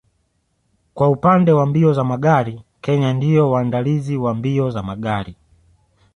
Kwa upande wa mbio za magari Kenya ndio waandalizi wa mbio za magari